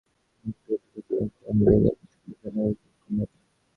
পৃথিবীর ধর্মগ্রন্থগুলির মধ্যে একমাত্র বেদই ঘোষণা করেন, বেদের নিছক অধ্যয়ন অতি গৌণ ব্যাপার।